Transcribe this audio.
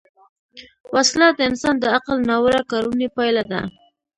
وسله د انسان د عقل ناوړه کارونې پایله ده